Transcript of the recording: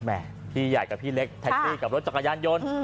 พี่ใหญ่กับพี่เล็กแท็กซี่กับรถจักรยานยนต์